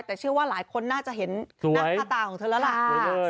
แต่เชื่อว่าหลายคนน่าจะเห็นหน้าค่าตาของเธอแล้วล่ะ